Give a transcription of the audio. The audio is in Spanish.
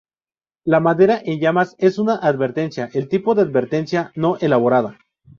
La madera en llamas es una advertencia, el tipo de advertencia no elaborada.